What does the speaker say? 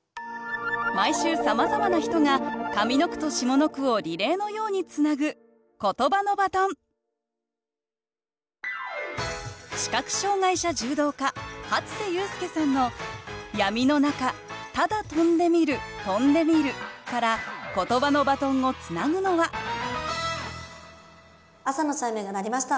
毎週さまざまな人が上の句と下の句をリレーのようにつなぐ視覚障害者柔道家初瀬勇輔さんの「闇のなかただとんでみるとんでみる」からことばのバトンをつなぐのは朝のチャイムが鳴りました。